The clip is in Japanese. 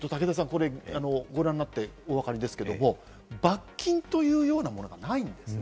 ご覧になってお分かりですけれども、罰金というようなものがないんです。